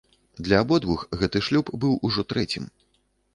Для абодвух гэты шлюб быў ужо трэцім.